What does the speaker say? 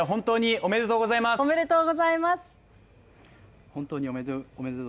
ありがとうございます。